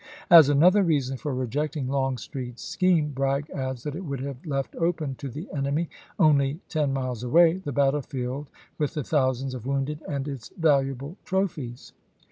As another reason for rejecting Longstreet's scheme, Bragg adds that it would have left open to the enemy, only ten miles away, the battlefield with the thousands of wounded and its valuable trophies.